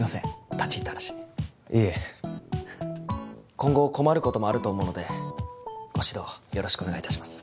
立ち入った話いえ今後困ることもあると思うのでご指導よろしくお願いいたします